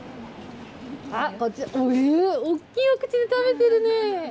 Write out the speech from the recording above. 大きいお口で食べてるね。